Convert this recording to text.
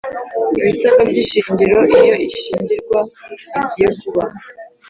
ibisabwa by ishingiro Iyo ishyingirwa rigiye kuba